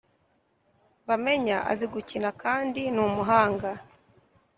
Bamenya azigukina kndi ni umuhanga